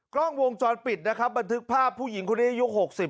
กล้องวงจรปิดนะครับบันทึกภาพผู้หญิงคนนี้อายุ๖๐